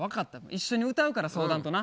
一緒に歌うから相談とな。